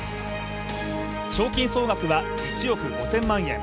賞金総額は１億５０００万円。